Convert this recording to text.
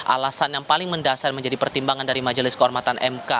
alasan yang paling mendasar menjadi pertimbangan dari majelis kehormatan mk